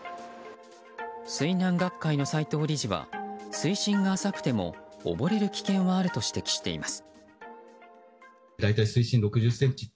水難学会の斎藤理事は水深が浅くても溺れる危険はあると指摘しています。